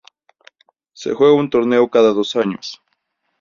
Se juega un torneo cada dos años.